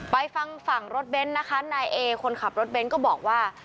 ไปฟังฝั่งรถเบนท์นะคะนายเอคนขับรถเบนท์ก็บอกว่า